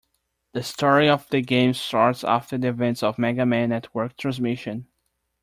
The story of the game starts after the events of "Mega Man Network Transmission".